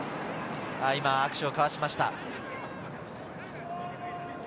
握手を交わしました。